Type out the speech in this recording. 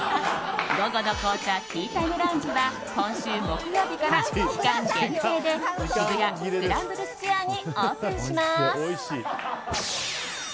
午後の紅茶ＴＥＡＴＩＭＥＬＯＵＮＧＥは今週木曜日から期間限定で渋谷スクランブルスクエアにオープンします。